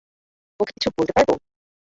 ওকে কিছু বলতে পারবো?